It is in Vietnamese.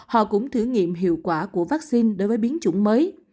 họ cũng thử nghiệm hiệu quả của vaccine đối với biến chủng mới